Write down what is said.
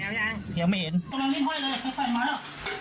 ประโหลลิ่มค่อยเลยว่าใจมัน